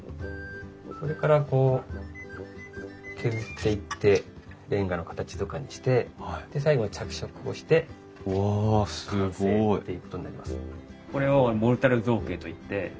それからこう削っていってレンガの形とかにしてで最後に着色をして完成っていうことになります。